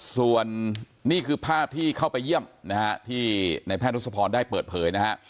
ส่วนนี่คือภาพที่เข้าไปเยี่ยมนะฮะที่ในแพทยศพรได้เปิดเผยนะฮะ